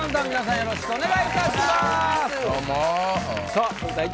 よろしくお願いします